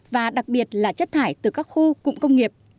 và đặc biệt là chất thải từ các khu cụm công nghiệp